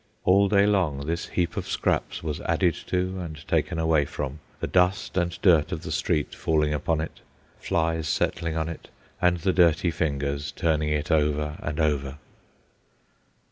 All day long this heap of scraps was added to and taken away from, the dust and dirt of the street falling upon it, flies settling on it, and the dirty fingers turning it over and over.